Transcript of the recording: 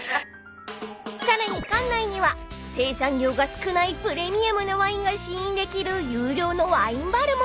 ［さらに館内には生産量が少ないプレミアムなワインが試飲できる有料のワインバルも］